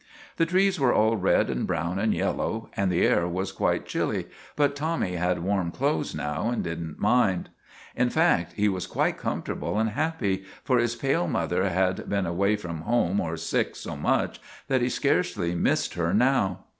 The trees were all red and brown and yellow, and the air was quite chilly, but Tommy had warm clothes now and did n't mind. In fact, he was quite comfortable and happy, for his pale mother had been away from home or sick so much that he scarcely missed her now.